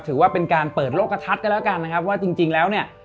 ถือว่าเป็นการเปิดโลกกระทัดกันแล้วกันนะครับว่าจริงแล้วเนี่ย